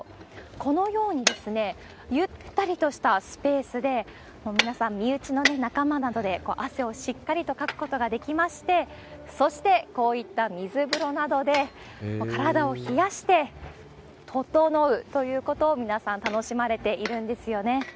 このようにゆったりとしたスペースで、皆さん身内の仲間などで汗をしっかりとかくことができまして、そしてこういった水風呂などで体を冷やして、ととのうということを、皆さん楽しまれているんですよね。